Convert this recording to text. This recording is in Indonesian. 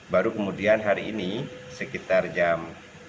baru kemudian hari ini sekitar jam tujuh belas